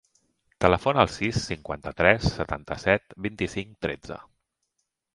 Telefona al sis, cinquanta-tres, setanta-set, vint-i-cinc, tretze.